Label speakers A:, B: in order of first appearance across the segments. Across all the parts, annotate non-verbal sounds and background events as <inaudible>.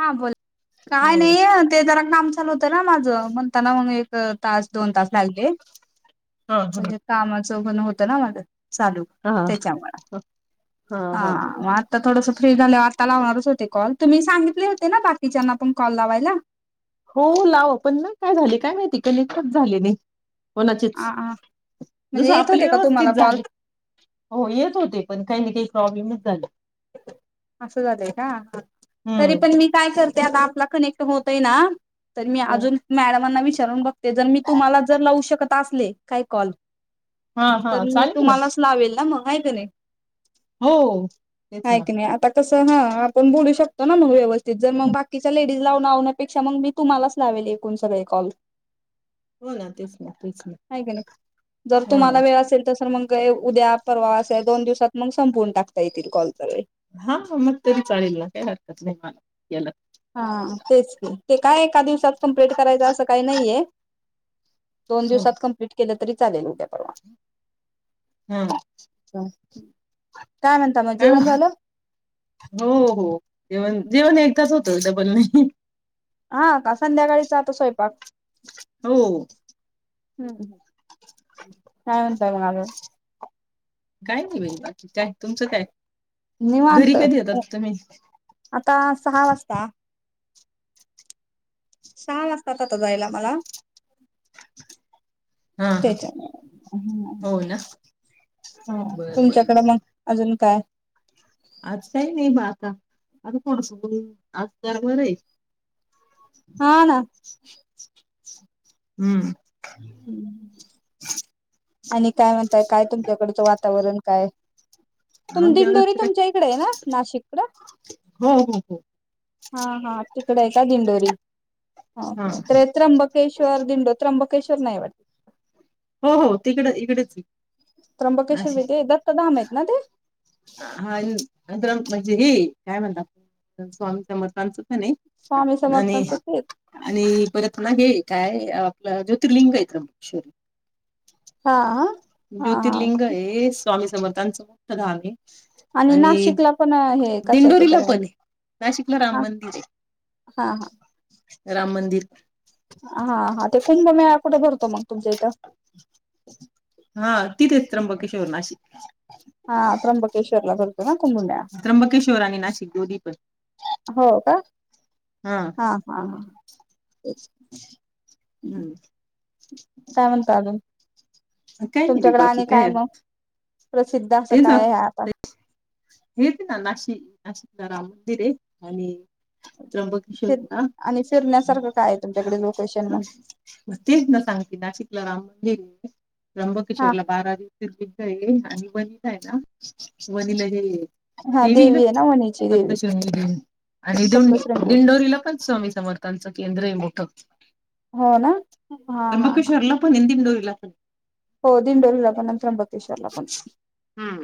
A: हा बोल काय
B: हम्म
A: नाही ते जरा काम तना माझं म्हणताना मग तास -दोन तास लागले
B: हा हा.
A: आणि कामाचं होत ना माझं चालू
B: हा
A: त्याच्यामुळे, हा मग आता थोडस फ्री झालं आता लावणार ते कॉल तुमी सांगितले होते ना बाकीच्याना पण कॉल लावायला
B: हो लाव पण ना काय झाले काय माहिती कनेक्टच झाली नाही. कोणाचेच
A: हा म्हणजे
B: जसं
A: येत
B: आपले
A: होते का तुम्हाला
B: व्यवस्थित
A: कॉल
B: झाले. हो येत होते पण काही ना काही प्रॉब्लेम चालेल
A: असं झालंय का हा तरी
B: हम्म
A: पण मी काय करते आता आपला कनेक् होतंय ना. तर मी
B: हम्म.
A: अजून मॅडमांना विच विचारून बघते जर मी तुम्हाला जर लावू शकत असले काय कॉल
B: हा हा
A: तर मी
B: चालेल ना
A: तुम्हालाच लावेल ना मग, हाय कणी?
B: हो तेच
A: हाय
B: ना
A: कणी आता कसं ह आपण बोलू शक करतो ना मग व्यवस्थित ते जर मग बाकीच्या तिला लावण्यापेक्षा मग मी तुम्हालाच लावेल एकूण सगळे कॉल.
B: हो ना तेच ना तेच ना
A: हाय का नाही. जर तुमला वेळ असेल तस मग कय उद्या परवास अस दोन दिवसात मग संपवून टाकता येतील कॉल. <unintelligible>
B: हा म तरी चालेल ना काय हरकत नाही मला केला
A: हा तेच की ते काय एका दिवसात कंप्लिट करायचं असं काय नाहीये दोन
B: हा
A: दिवसात कंप्लीट केलं तरी चालेल उद्या परवा.
B: हा
A: काय म्हणता मग
B: हा
A: जेवण झालं
B: हो हो जेवण जेवण एकदाच होतं डबल नाही.
A: हा का संध्याकाळीच आता स्वयंप बाक
B: हो
A: हम्म हम्म काय म्हणताय मग अजून?
B: काय नाही बई बाकी काय तुमचं काय? घरी
A: निवांत
B: कधी येतात तुम्ही
A: आता सहा वासता. सहा वाजतात आता जायला मला.
B: हा हा
A: त्याच्या
B: हो ना
A: हा
B: बरं बरं
A: तुमच्याकड मग अजून काय
B: आज काही नाही बा आता. आता थोडस आज जरा बर आहे.
A: हा ना
B: हम्म <inaudible>
A: आणि काय म्हणताय काय तुमच्याकडचं वातावरण? काय तुम
B: आमच्या
A: दिंडोरी
B: घरच काय
A: तुमच्या इकडे आहे ना नाशिक कड?
B: हो हो हो
A: तिकडे आहे का दिंडोरी?
B: हा
A: ते त्र्यबकेश्ववर, दिंडो त्रंबक केशर नाही वाटत
B: हो हो तिकडे इकडेच
A: त्र्यंबकेश्वर
B: नाशि
A: बी ते दत्तधाम आहेत ना ते
B: हा अ द्र म्हणजे हे काय म्हणतात स्वामी समर्थांच ह नाही
A: स्वामी
B: आणि
A: समर्थांच ते
B: आणि परत ना घे काय आपलं ज्योतिर्लिंगय <unintelligible>
A: हा हा हा.
B: ज्योतिर्लिंग हे स्वामी समर्थांच मोठ धामये
A: आणि नाशिकला पण हे कशाच
B: दिंडोरीला
A: तर
B: पण आहे. नाशिकला राम
A: हा
B: मंदिर
A: हा हा
B: राम मंदिर
A: हा हा ते कुंभमेळा कुठे भरतो मग? तुमच्या इथ
B: हा तिथे त्र्यंबकेश्वर नाशिक
A: हा <unintelligible>
B: त्र्यंबकेश्ववर आणि नाशिक दोन्ही पण
A: हो का हा हा हा
B: हम्म.
A: काय म्हणता अजून
B: काही नाही मी
A: तुमच्याकडे
B: बाकी
A: आणि काय मग प्रसिद्ध असं काय आहे आता
B: हेच ना नाशि नाशिकला राम मंदिर आहे आणि त्र्यबकेश्वर
A: फिर
B: ना
A: आणि फिरण्यासारखं काय आहे तुमच्याकडे लोकेशन मग
B: तेच ना सांगते नाशिकला राम म्हणजे
A: हा
B: त्र्यंबकेश्वरला बारा <unintelligible> आणि वनी का आहे ना वनीला हे
A: हा
B: देवी ना
A: आहे वणीची देवी
B: सपतशृंगी आणि
A: सप्तशृंगी
B: दिंदिंडोरीला पण स्वामी समर्थांचं केंद्रय मोठ
A: हो ना हा हा हा
B: पण <unintelligible>
A: हो दिंडोरी ला पण त्रंबकेश्वरला पण
B: हम्म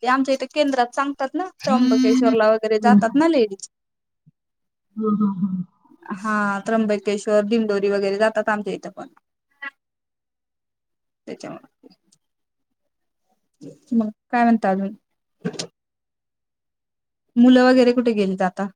A: ते आमच्या इथे केंद्रात सांगतात ना त्र्यंबकेश्वरला वगैरे जातात ना लेडीज
B: हम्म हम्म हम्
A: हा त्र्यंबकेश्वर दिंडोरी वगैरे जातात आमच्या इथे पण त्याच्यामुळे मग काय म्हणत अजून? मुलं वगैरे कुठे गेली आता?